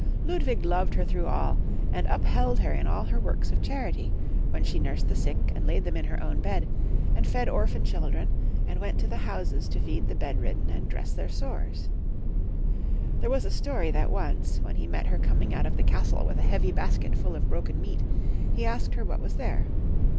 Ludwig loved her through all, and *up held her in all her works of charity, when she nursed the sick, and laid them in her own bed, and fed orphan children, and went to the houses to feed the bedridden and dress theu* sores. There was a story that once, when he met her coming out of the castle with a heavy basket full of broken meat, he asked her what was there.